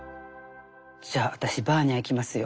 じゃあ私バーニャいきますよ。